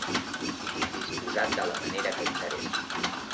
Disposat de la manera que interessa.